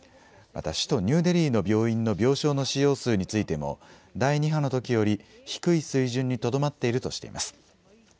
また首都ニューデリーの病院の病床の使用数についても、第２波のときより低い水準にとどまっているとしています。